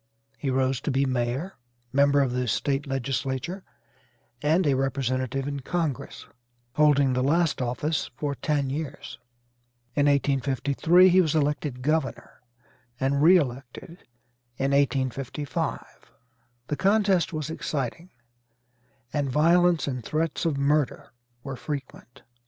He rose to be mayor, member of the State legislature, and a representative in Congress, holding the last office for ten years. In 1853 he was elected governor, and re elected in 1855. The contest was exciting, and violence and threats of murder were frequent.